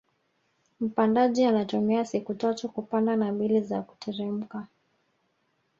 Mpandaji anatumia siku tatu kupanda na mbili za kuteremka